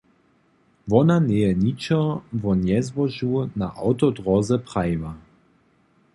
Wona njeje ničo wo njezbožu na awtodróze prajiła.